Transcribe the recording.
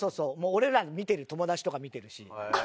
俺らが見てる友達とか見てるし。